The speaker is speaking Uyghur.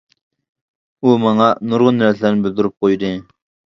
ئۇ ماڭا نۇرغۇن نەرسىلەرنى بىلدۈرۈپ قويدى.